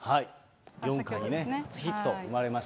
４回にね、初ヒット、生まれました。